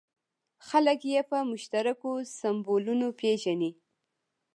خلک یې په مشترکو سیمبولونو پېژني.